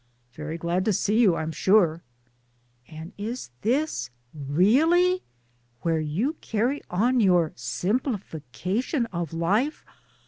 "Very glad to see you, I'm sure." *' And is this really where you carry on your Simplification of Life?